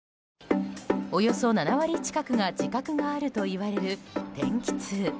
およそ７割近くが自覚があるといわれる天気痛。